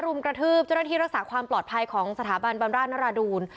รุมกระทืบเจ้าหน้าที่รักษาความปลอดภัยของสถาบันบำราชนราดูล